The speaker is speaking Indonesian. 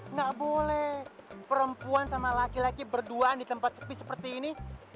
nggak boleh perempuan sama laki laki berduaan di tempat sepi seperti ini